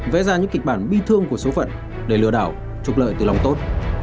vẽ ra những kịch bản bi thương của số phận để lừa đảo trục lợi từ lòng tốt